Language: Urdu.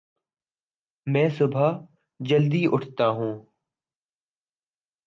میں صبح جلدی اٹھتاہوں